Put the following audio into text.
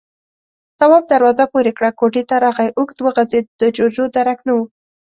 تواب دروازه پورې کړه، کوټې ته راغی، اوږد وغځېد، د جُوجُو درک نه و.